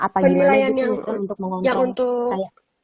penilaian yang untuk